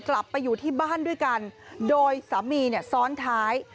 กลับไปอยู่ที่บ้านด้วยกันโดยสามีเนี่ยซ้อนท้าย